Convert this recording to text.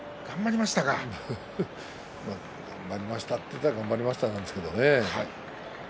まあ、頑張りましたといえば頑張りましたなんですけどね。